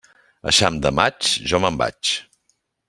Eixam de maig, jo me'n vaig.